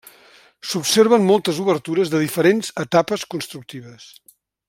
S'observen moltes obertures de diferents etapes constructives.